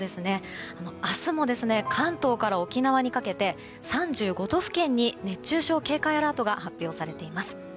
明日も関東から沖縄にかけて３５度付近に熱中症警戒アラートが発表されています。